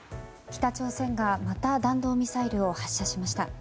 北朝鮮がまた弾道ミサイルを発射しました。